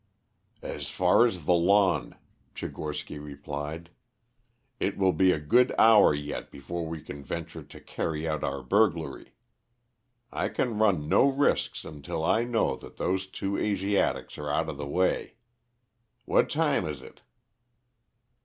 "As far as the lawn," Tchigorsky replied. "It will be a good hour yet before we can venture to carry out our burglary. I can run no risks until I know that those two Asiatics are out of the way. What time is it?"